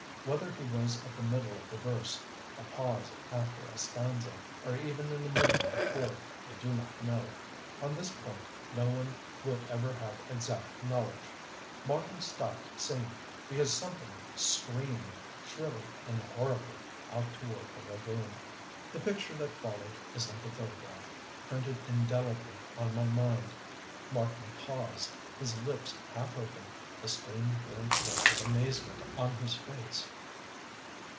Whether he was at the middle of the verse, a pause after a stanza, or even in the middle of a chord I do not know. On this point no one will ever have exact knowledge. Marten stopped singing because something screamed, shrilly and horribly, out toward the lagoon. The picture that followed is like a photograph, printed indelibly on my mind. Marten paused, his lips half open, a strange, blank look of amazement on his face.